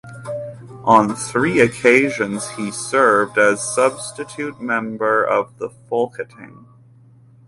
On three occasions he served as substitute member of the Folketing.